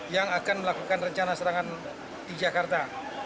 yang akan melakukan rencana serangan di jakarta